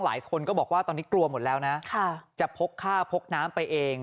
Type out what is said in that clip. หลายคนก็บอกว่าตอนนี้กลัวหมดแล้วนะจะพกฆ่าพกน้ำไปเอง